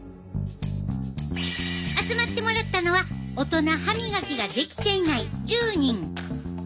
集まってもらったのはオトナ歯みがきができていない１０人。